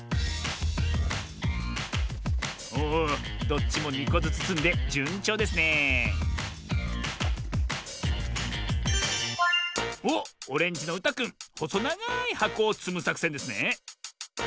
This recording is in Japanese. おおどっちも２こずつつんでじゅんちょうですねえおっオレンジのうたくんほそながいはこをつむさくせんですね。